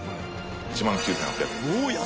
１万９８００円です。